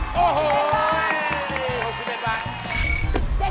ของวัลก็ไม่เกิดขึ้น